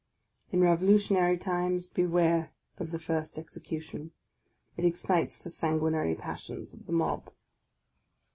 In revolutionary times, beware of the first execution. It excites the sanguinary passions of the mob.